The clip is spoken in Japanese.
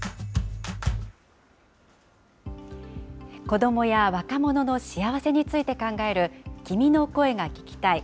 子どもや若者の幸せについて考える、君の声が聴きたい。